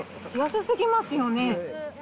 安すぎますよね。